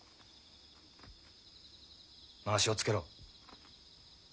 まわしをつけろ。